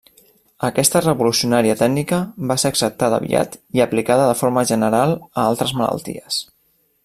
Aquesta revolucionària tècnica va ser acceptada aviat i aplicada de forma general a altres malalties.